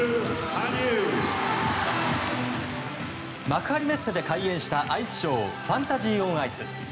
幕張メッセで開演したアイスショーファンタジー・オン・アイス。